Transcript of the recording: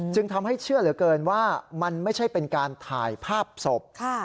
ทำให้เชื่อเหลือเกินว่ามันไม่ใช่เป็นการถ่ายภาพศพ